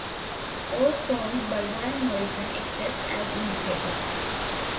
All songs by Van Morrison except as indicated.